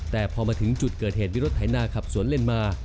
แต่พอมาถึงจุดเกิดเหตุมีรถไถนาขับสวนเล่นมา